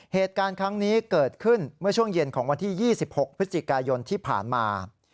เหตุการณ์ครั้งนี้เกิดขึ้นเมื่อช่วงเย็นของวันที่๒๖พฤศจิกายนที่ผ่านมา